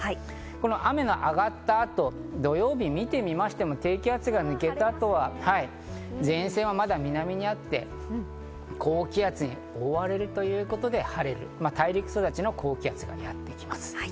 この雨のあがった後、土曜日を見てみましても低気圧が抜けた後は、前線はまだ南にあって、高気圧に覆われるということで晴れる、大陸育ちの高気圧がやってきます。